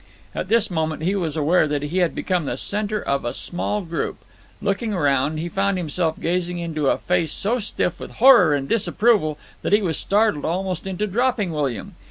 At this moment he was aware that he had become the centre of a small group. Looking round he found himself gazing into a face so stiff with horror and disapproval that he was startled almost into dropping William.